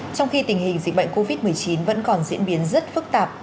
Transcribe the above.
trong khi tình hình dịch bệnh covid một mươi chín vẫn còn diễn biến rất phức tạp